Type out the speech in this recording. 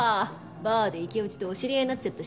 バーでイケオジとお知り合いになっちゃったし。